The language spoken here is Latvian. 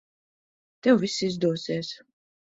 Tev viss izdosies.